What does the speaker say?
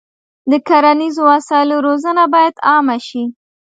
د کرنیزو وسایلو روزنه باید عامه شي.